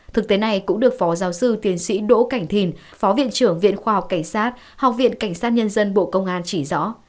thực tế này cũng được phó giáo sư tiến sĩ đỗ cảnh thìn phó viện trưởng viện khoa học cảnh sát học viện cảnh sát nhân dân bộ công an chỉ rõ